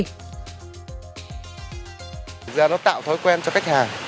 thực ra nó tạo thói quen cho khách hàng